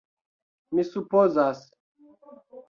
Mi supozas.